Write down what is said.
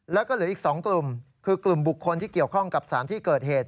แล้วก็เหลืออีก๒กลุ่มคือกลุ่มบุคคลที่เกี่ยวข้องกับสารที่เกิดเหตุ